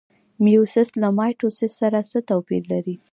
میوسیس له مایټوسیس سره څه توپیر لري؟